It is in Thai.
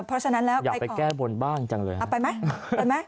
เพราะฉะนั้นแล้วอยากไปแก้บนบ้างจังเลยเอาไปไหมไปไหม